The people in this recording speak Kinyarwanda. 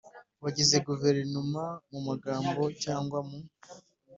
bagize Guverinoma mu magambo cyangwa mu